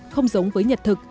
không giống với nhật thực